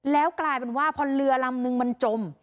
แล้วกลายเป็นว่าพอเรือลำนึงมันจม